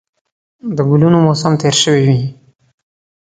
د ګلونو موسم تېر شوی وي